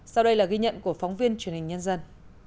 sau đây là ghi nhận của phóng viên truyền hình nhân dân